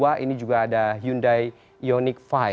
yang kedua ini juga ada hyundai ioniq lima